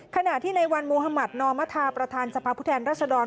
ขณะที่ในวันมุธมัธนมประธานสภาพุทธแห่งรัชดร